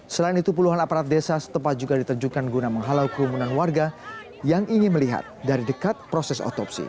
selain itu puluhan aparat desa setempat juga diterjukan guna menghalau kerumunan warga yang ingin melihat dari dekat proses otopsi